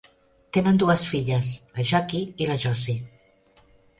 Tenen dues filles, la Jackie i la Josie.